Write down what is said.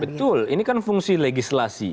betul ini kan fungsi legislasi